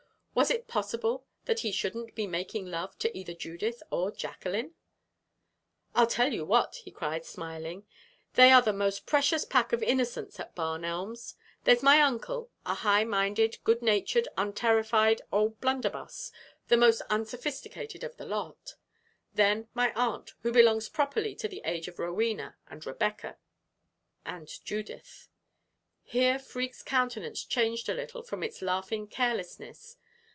Was it possible that he shouldn't be making love to either Judith or Jacqueline? "I'll tell you what," he cried, smiling, "they are the most precious pack of innocents at Barn Elms! There's my uncle a high minded, good natured, unterrified old blunderbuss the most unsophisticated of the lot. Then my aunt, who belongs properly to the age of Rowena and Rebecca and Judith." Here Freke's countenance changed a little from its laughing carelessness.